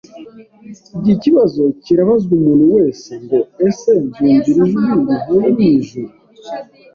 Iki kibazo kirabazwa umuntu wese ngo: “Ese nzumvira ijwi rivuye mu ijuru,